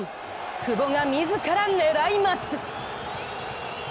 久保が自ら狙います。